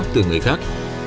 từ người khác